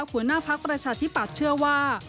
หัวหน้าพักประชาธิปัตย์เชื่อว่า